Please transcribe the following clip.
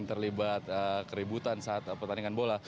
terlibat keributan saat pertandingan bola